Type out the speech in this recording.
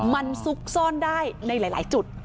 มันซุกซ่อนได้ในหลายจุด